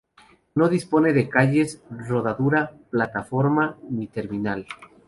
No dispone de calles de rodadura, plataforma ni terminal.